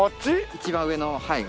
一番上のはい。